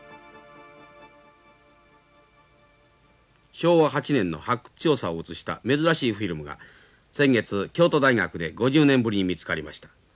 昭和８年の発掘調査を映した珍しいフィルムが先月京都大学で５０年ぶりに見つかりました。